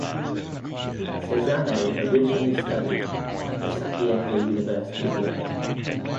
Cesano originally studied at the Sapienza University of Rome.